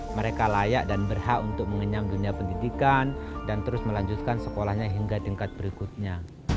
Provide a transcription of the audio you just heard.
mereka layak dan berhak untuk mengenyang dunia pendidikan dan terus melanjutkan sekolahnya hingga tingkat berikutnya